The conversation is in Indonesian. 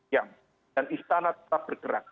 yang dan istana tetap bergerak